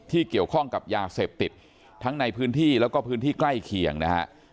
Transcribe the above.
เกี่ยวข้องกับยาเสพติดทั้งในพื้นที่แล้วก็พื้นที่ใกล้เคียงนะฮะ